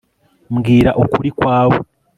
mbwira ukuri kwawe.